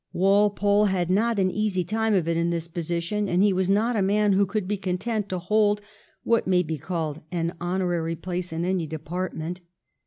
Walpole had not an easy time of it in this position, and he was not a man who could be content to hold what may be called an honorary place in any depart ment.